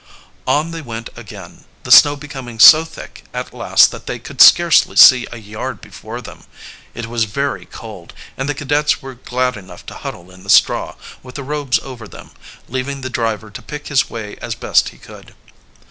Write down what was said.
On they went again, the snow becoming so thick at last that they could scarcely see a yard before them. It was very cold, and the cadets were glad enough to huddle in the straw, with the robes over them, leaving the driver to pick his way as best he could.